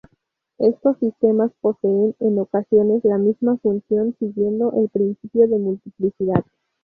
Estos sistemas poseen en ocasiones la misma función, siguiendo el principio de multiplicidad.